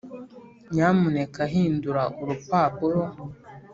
nyamuneka hindura urupapuro.